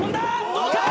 どうか？